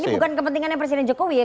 ini bukan kepentingannya presiden jokowi ya